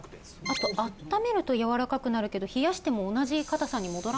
あと「温めるとやわらかくなるけど冷やしても同じ硬さに戻らない」。